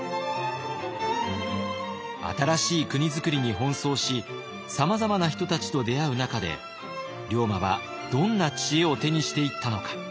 新しい国づくりに奔走しさまざまな人たちと出会う中で龍馬はどんな知恵を手にしていったのか。